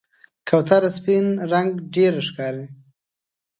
کوتره سپین رنګ ډېره ښکاري.